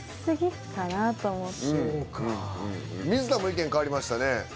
水田も意見変わりましたね。